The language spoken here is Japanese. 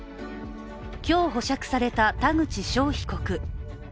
今日、保釈された田口翔被告。